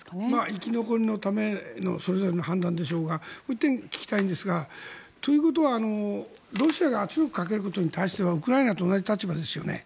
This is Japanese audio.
生き残りのためのそれぞれの判断でしょうが聞きたいんですが、ロシアが圧力をかけることに対してのウクライナと同じ立場ですよね